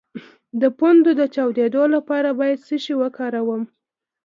د پوندو د چاودیدو لپاره باید څه شی وکاروم؟